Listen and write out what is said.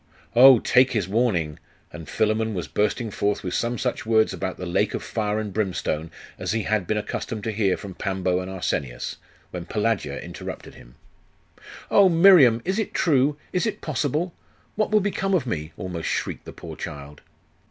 'Oh, take his warning....' And Philammon was bursting forth with some such words about the lake of fire and brimstone as he had been accustomed to hear from Pambo and Arsenius, when Pelagia interrupted him 'Oh, Miriam! Is it true? Is it possible? What will become of me?' almost shrieked the poor child.